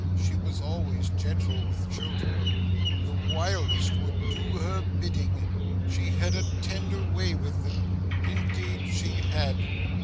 She was always gentle with children. The wildest would do her bidding she had a tender way with them, indeed she had!